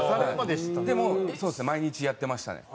でもそうですね毎日やってましたね。